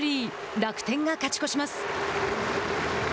楽天が勝ち越します。